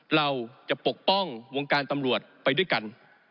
ปกป้องวงการตำรวจไปด้วยกัน